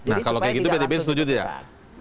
nah kalau kayak gitu pdip setuju tidak